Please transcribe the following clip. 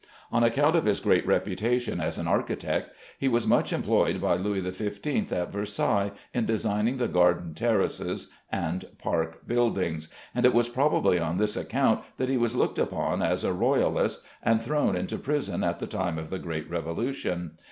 On account of his great reputation as an architect, he was much employed by Louis XV at Versailles, in designing the garden terraces and park buildings, and it was probably on this account that he was looked upon as a Royalist, and thrown into prison at the time of the great Revolution.